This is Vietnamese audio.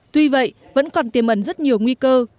tuy vậy vẫn còn tiềm ẩn rất nhiều nguy cơ